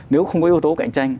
nếu không có yếu tố cạnh tranh